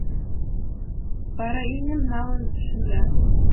Вара имньым налын шында.